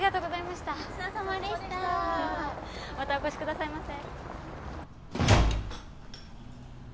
またお越しくださいませ。